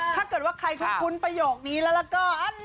ถ้าเกิดว่าใครคุ้นประโยคนี้แล้วก็